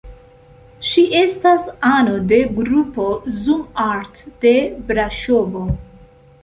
Ŝi estas ano de grupo "Zoom-art" de Braŝovo.